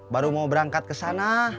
baru mau berangkat ke sana